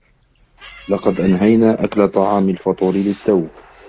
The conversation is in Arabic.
لقد أنهينا أكل طعام الفطور للتو.